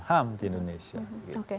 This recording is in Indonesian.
ham di indonesia oke